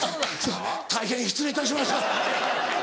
大変失礼いたしました。